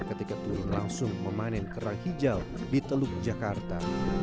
ketika turun langsung memanen kerang hijau di teluk jakarta